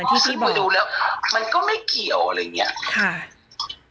ซึ่งมึงดูแล้วมันก็ไม่เกี่ยวอะไรอย่างนี้